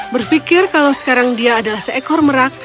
berpikir kalau sekarang dia adalah seekor merak